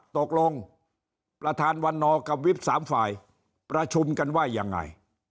ตกลงประธานวันนอกับวิบสามฝ่ายประชุมกันว่ายังไง